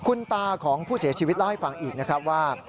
คุณตาของผู้เสียชีวิตเล่าให้ฟังอีกนะครับว่า